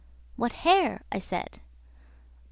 "What hare?" I said. "Oh!